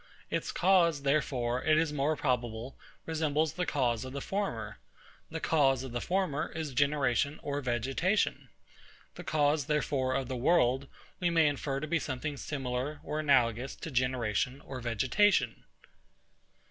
Its cause, therefore, it is more probable, resembles the cause of the former. The cause of the former is generation or vegetation. The cause, therefore, of the world, we may infer to be something similar or analogous to generation or vegetation.